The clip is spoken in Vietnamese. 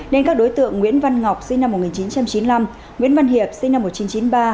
nên các đối tượng nguyễn văn ngọc sinh năm một nghìn chín trăm chín mươi năm nguyễn văn hiệp sinh năm một nghìn chín trăm chín mươi ba